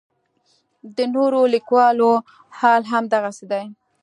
د نورو لیکوالو حال هم دغسې دی.